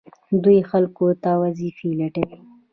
دوی خلکو ته وظیفې لټوي.